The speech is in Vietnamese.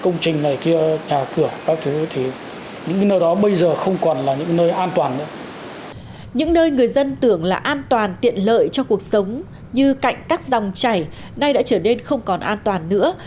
những nơi người dân tưởng là an toàn tiện lợi cho cuộc sống như cạnh các dòng chảy nay đã trở nên không còn an toàn nữa